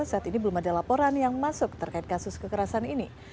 saat ini belum ada laporan yang masuk terkait kasus kekerasan ini